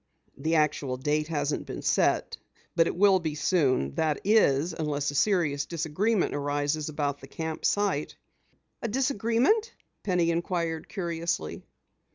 "The actual date hasn't been set, but it will be soon. That is, unless a serious disagreement arises about the camp site." "A disagreement?" Penny inquired curiously.